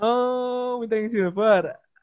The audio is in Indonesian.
oh minta yang silver